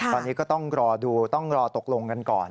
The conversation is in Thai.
ตอนนี้ก็ต้องรอดูต้องรอตกลงกันก่อน